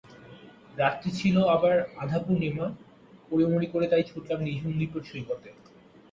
রাতটি ছিল আবার আধা পূর্ণিমা, পড়িমরি করে তাই ছুটলাম নিঝুম দ্বীপের সৈকতে।